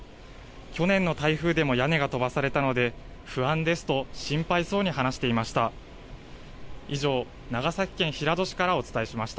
去年の台風でも屋根が飛ばされたので不安ですと心配そうに話していました。